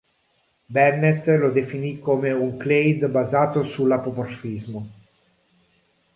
Bennett lo definì come un "clade" basato sull'apomorfismo.